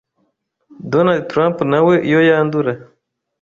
Donald Trump nawe iyo yandura